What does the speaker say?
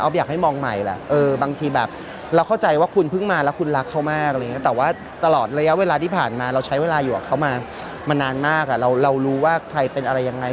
อยากให้มองใหม่แหละบางทีแบบเราเข้าใจว่าคุณเพิ่งมาแล้วคุณรักเขามากอะไรอย่างนี้แต่ว่าตลอดระยะเวลาที่ผ่านมาเราใช้เวลาอยู่กับเขามานานมากเรารู้ว่าใครเป็นอะไรยังไง